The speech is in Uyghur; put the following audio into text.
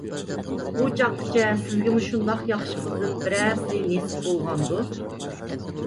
بۇ چاغقىچە سىزگىمۇ شۇنداق ياخشى قىزدىن بىرەرسى نېسىپ بولغاندۇ؟